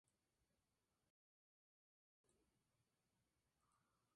Tanto los machos como las hembras tienen cloaca.